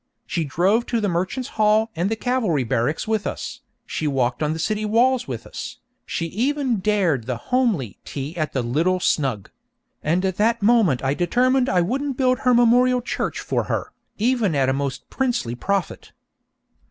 She drove to the Merchants' Hall and the Cavalry Barracks with us, she walked on the city walls with us, she even dared the 'homely' tea at 'The Little Snug'; and at that moment I determined I wouldn't build her memorial church for her, even at a most princely profit.